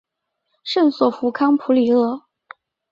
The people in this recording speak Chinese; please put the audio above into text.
圣索弗康普里厄。